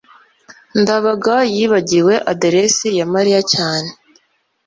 ndabaga yibagiwe aderesi ya mariya cyane